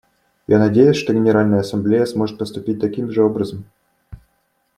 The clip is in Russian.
Я надеюсь, что Генеральная Ассамблея сможет поступить таким же образом.